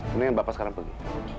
mendingan bapak sekarang pergi